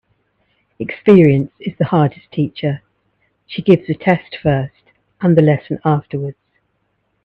Experience is the hardest teacher. She gives the test first and the lesson afterwards.